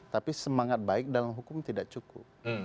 tapi semangat baik dalam hukum tidak cukup